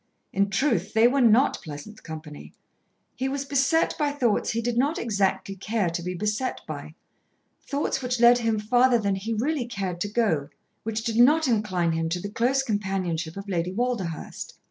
In truth they were not pleasant company. He was beset by thoughts he did not exactly care to be beset by thoughts which led him farther than he really cared to go, which did not incline him to the close companionship of Lady Walderhurst.